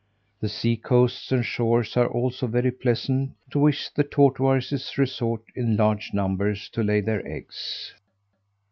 The sea coasts and shores are also very pleasant, to which the tortoises resort in large numbers to lay their eggs.